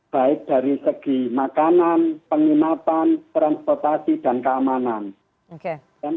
baik dari segi makanan penginapan transportasi dan keamanan